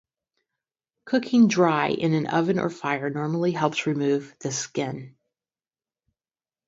Cooking dry in an oven or fire normally helps remove this skin.